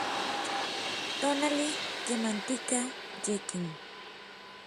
tonali, kemantika, yekin